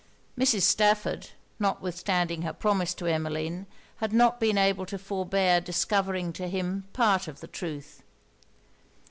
Mrs. Stafford, notwithstanding her promise to Emmeline, had not been able to forbear discovering to him part of the truth.